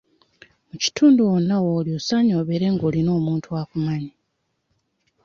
Mu kitundu wonna w'oli osaanye obeere nga olina omuntu akumanyi.